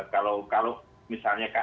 kalau kalau misalnya kib ya